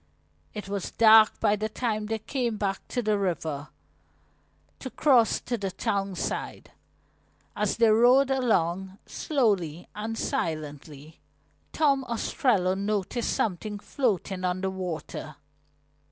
It was dark by the time they came back to the river, to cross to the town side. As they rowed along, slowly and silently, Tom Ostrello noticed something floating on the water.